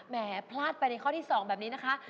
แหมพลาดไปในข้อที่๒แบบนี้นะคะ